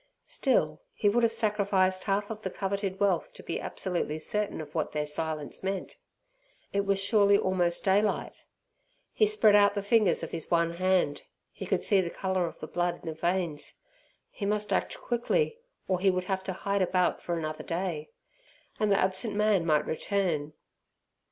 Still he would have sacrificed half of the coveted wealth to be absolutely certain of what their silence meant. It was surely almost daylight. He spread out the fingers of his one hand; he could see the colour of the blood in the veins. He must act quickly, or he would have to hide about for another day. And the absent man might return.